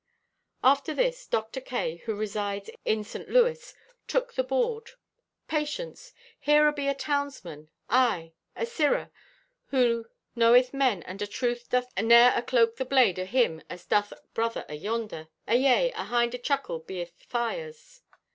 After this Dr. K., who resides in St. Louis, took the board. Patience.—"Here abe a townsman. Aye, a Sirrah who knoweth men and atruth doth ne'er acloak the blade o' him as doth brother ayonder. Ayea, ahind a chuckle beeth fires.